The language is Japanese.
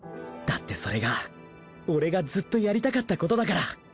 だってそれが俺がずっとやりたかったことだから。